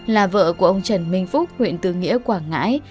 là vợ của ông trần minh phúc huyện tư nghĩa quảng ngãi